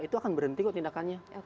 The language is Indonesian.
itu akan berhenti kok tindakannya